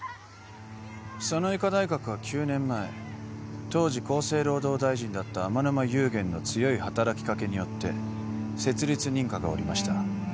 その医科大学は９年前当時厚生労働大臣だった天沼夕源の強い働きかけによって設立認可が下りました